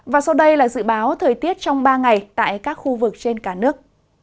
và sau đây là dự báo thời tiết trong ba ngày tại các khu vực trên cả nước